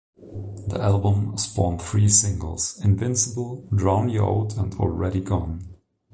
The album spawned three singles: "Invincible," "Drown You Out," and "Already Gone.